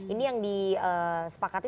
ini yang disepakati